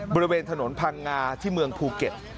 บริเวณถนนพังงาที่เมืองภูเก็ต